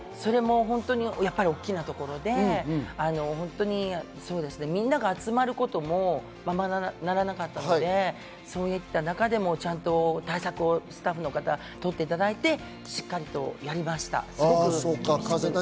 やっぱり大きなところでみんなが集まることもままならなかったので、そういった中でも、ちゃんと対策をスタッフの方にとっていただいて、しっかりとやりました。